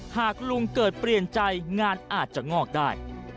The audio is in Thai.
หากลุงเกิดเปลี่ยนใจงานอาจจะงอกได้